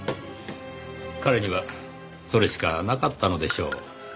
彼にはそれしかなかったのでしょう。